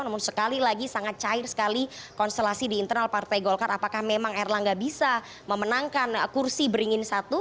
namun sekali lagi sangat cair sekali konstelasi di internal partai golkar apakah memang erlangga bisa memenangkan kursi beringin satu